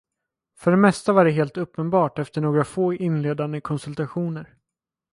För det mesta var det helt uppenbart efter några få inledande konsultationer.